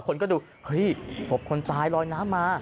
คนก็ดูเฮ้ยศพคนตายลอยน้ำมา